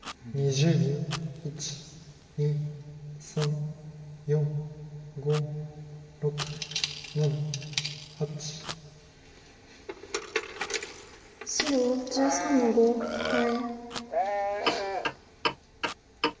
白１３の五カカエ。